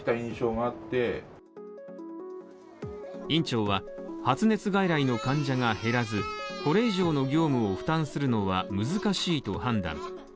院長は発熱外来の患者が減らず、これ以上の業務を負担するのは難しいと判断